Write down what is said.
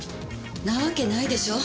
なわけないでしょう。